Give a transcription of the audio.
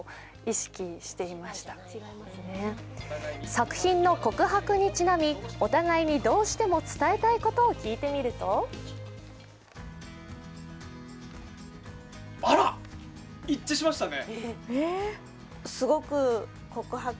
作品の「告白」にちなみ、お互いにどうしても伝えたいことを聞いてみるとあら、一致しましたね。